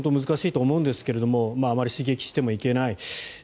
難しいと思うんですけどあまり刺激してもいけない。